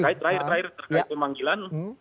terkait terakhir terakhir terkait pemanggilan